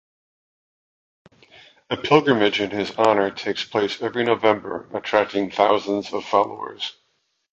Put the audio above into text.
A pilgrimage in his honour takes place every November, attracting thousands of followers.